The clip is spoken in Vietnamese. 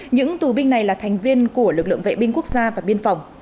những tù binh này là thành viên của lực lượng vệ binh quốc gia và biên phòng